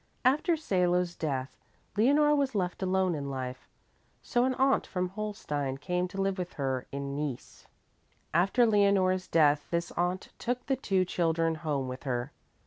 After Salo's death Leonore was left alone in life, so an aunt from Holstein came to live with her in Nice. After Leonore's death this aunt took the two children home with her.